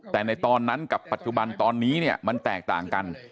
แต่ในตอนนั้นกับปัจจุบันตอนนี้เนี่ยมันแตกต่างกัน